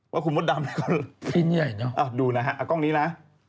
ว่าคุณมดดำดูนะฮะกล้องนี้นะ